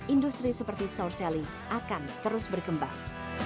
industri seperti sourcelly akan terus berkembang